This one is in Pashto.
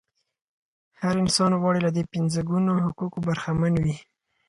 هر انسان غواړي له دې پنځه ګونو حقوقو برخمن وي.